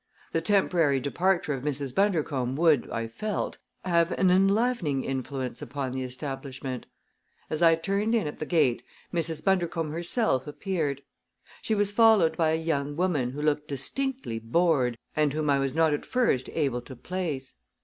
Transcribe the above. The temporary departure of Mrs. Bundercombe would, I felt, have an enlivening influence upon the establishment. As I turned in at the gate Mrs. Bundercombe herself appeared. She was followed by a young woman who looked distinctly bored and whom I was not at first able to place.